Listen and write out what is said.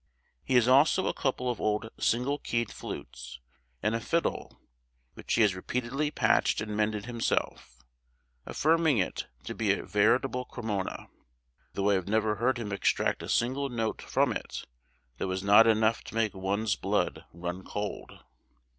He has also a couple of old single keyed flutes, and a fiddle, which he has repeatedly patched and mended himself, affirming it to be a veritable Cremona: though I have never heard him extract a single note from it that was not enough to make one's blood run cold.